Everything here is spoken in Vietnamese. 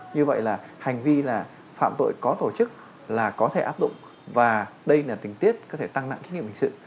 như vậy là hành vi phạm tội có tổ chức là có thể áp dụng và đây là tình tiết có thể tăng nạn kinh nghiệm hình sự